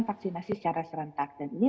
vaksinasi secara serentak dan ini